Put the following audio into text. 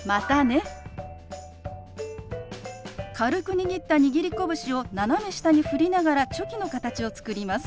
軽く握った握り拳を斜め下に振りながらチョキの形を作ります。